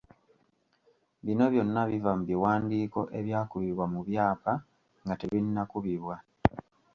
Bino byonna biva mu biwandiiko ebyakubibwa mu byapa nga tebinnakubibwa.